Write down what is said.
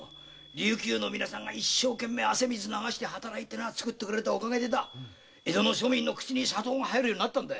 琉球の皆さんが一生懸命汗水流して働いて作ってくれたおかげで江戸の庶民の口に砂糖が入るようになったんだ。